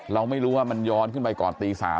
เราไม่รู้ว่ามันย้อนขึ้นไปก่อนตี๓